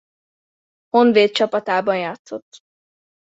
Honvéd csapatában játszott.